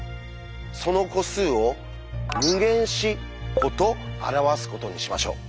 その個数を「∞自」個と表すことにしましょう。